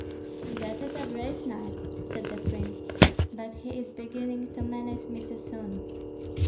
"That is a brave knight," said the prince, "but he is beginning to manage me too soon."